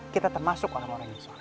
kita termasuk orang orang yang salah